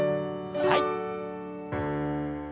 はい。